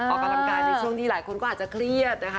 ออกกำลังกายในช่วงที่หลายคนก็อาจจะเครียดนะคะ